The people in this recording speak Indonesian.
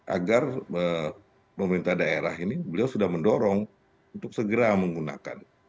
agar pemerintah daerah ini beliau sudah mendorong untuk segera menggunakan